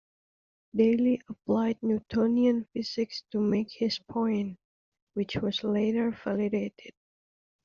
Daly applied Newtonian physics to make his point, which was later validated.